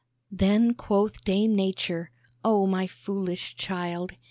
Then quoth Dame Nature: "Oh, my foolish child!